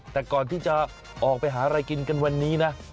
แต่ก่อนที่จะออกไปหาอะไรกินกันเวลา